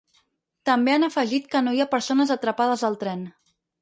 També han afegit que no hi ha persones atrapades al tren.